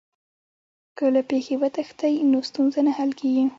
که له پېښي وتښتې نو ستونزه نه حل کېږي.